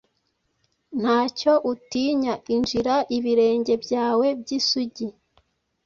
ntacyo utinya, injira ibirenge byawe by'isugi.'